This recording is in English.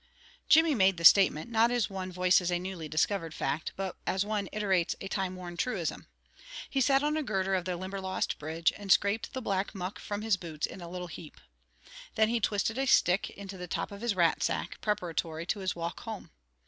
Jimmy made the statement, not as one voices a newly discovered fact, but as one iterates a time worn truism. He sat on a girder of the Limberlost bridge, and scraped the black muck from his boots in a little heap. Then he twisted a stick into the top of his rat sack, preparatory to his walk home.